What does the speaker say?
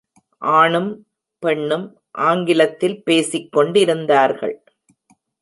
ஆணும், பெண்ணும் ஆங்கிலத்தில் பேசிக் கொண்டிருந்தார்கள்.